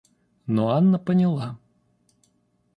Но Анна поняла.